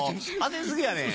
焦り過ぎやねん。